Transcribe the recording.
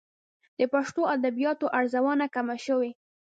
د پښتو ادبياتو ارزونه کمه شوې.